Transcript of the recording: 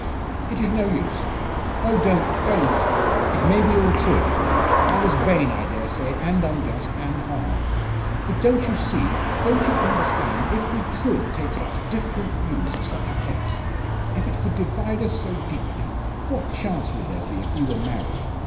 "It is no use! Oh, don't don't! It may be all true. I was vain, I dare say, and unjust, and hard. But don't you see don't you understand if we could take such different views of such a case if it could divide us so deeply what chance would there be if we were married?